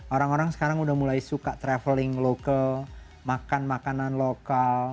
orang orang sekarang udah mulai suka traveling lokal makan makanan lokal